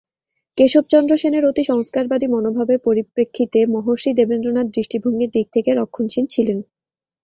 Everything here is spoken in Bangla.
কেশবচন্দ্র সেনের অতি-সংস্কারবাদী মনোভাবের পরিপ্রেক্ষিতে মহর্ষি দেবেন্দ্রনাথ দৃষ্টিভঙ্গির দিক থেকে রক্ষণশীল ছিলেন।